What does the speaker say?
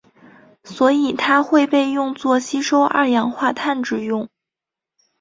所以它会被用作吸收二氧化碳之用。